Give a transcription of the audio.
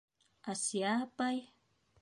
Асия апай?!